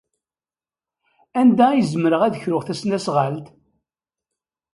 Anda ay zemreɣ ad kruɣ tasnasɣalt?